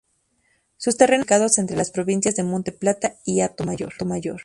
Sus terrenos están ubicados entre las provincias de Monte Plata y Hato Mayor.